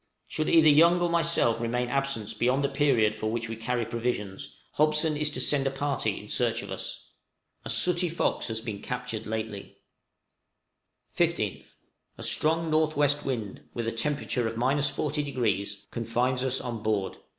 Should either Young or myself remain absent beyond the period for which we carry provisions, Hobson is to send a party in search of us. A sooty fox has been captured lately. 15th. A strong N.W. wind, with a temperature of 40°, confines us on board.